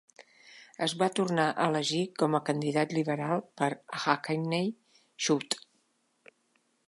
Es va tornar elegir com a candidat liberal per a Hackney South.